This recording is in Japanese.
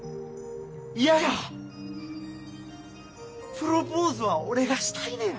プロポーズは俺がしたいねん！